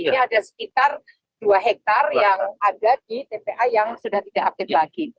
ini ada sekitar dua hektare yang ada di tpa yang sudah tidak aktif lagi